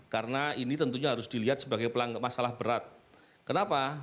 karena ini tentunya harus dilihat sebagai masalah berat kenapa